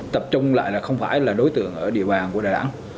tập trung lại là không phải là đối tượng ở địa bàn của đà nẵng